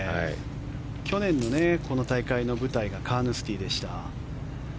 去年のこの大会の舞台がカーヌスティでした。